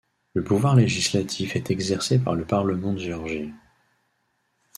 Le pouvoir législatif est exercé par le Parlement de Géorgie.